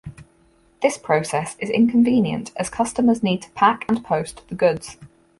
This process is inconvenient as customers need to pack and post the goods.